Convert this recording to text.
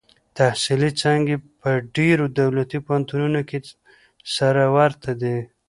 تحصیلي څانګې په ډېرو دولتي پوهنتونونو کې سره ورته دي.